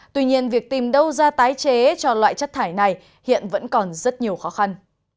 tuy nhiên việc tìm đâu ra tái chế cho loại chất thải này hiện vẫn còn rất nhiều khó khăn